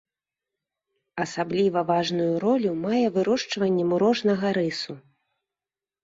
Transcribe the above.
Асабліва важную ролю мае вырошчванне мурожнага рысу.